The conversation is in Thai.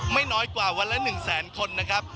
ไม่น้อยกว่าวันละ๑แสนคนนะครับ